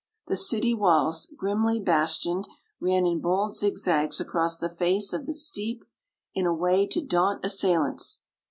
The city walls, grimly bastioned, ran in bold zigzags across the face of the steep in a way to daunt assailants.